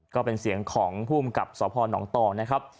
ก็เป็นเสียงของผู้กำกับสพหนองตองนะครับ